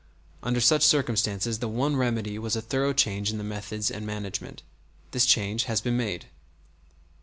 Under such circumstances the one remedy was a thorough change in the methods and management. This change has been made."